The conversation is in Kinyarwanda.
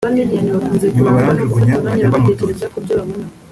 nyuma baranjugunya nkajya mba mu rutoki